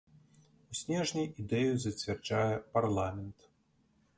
У снежні ідэю зацвярджае парламент.